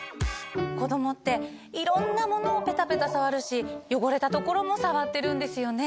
こどもっていろんなものをペタペタ触るし汚れた所も触ってるんですよね。